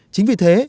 chính vì thế